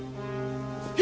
tidak tuan ku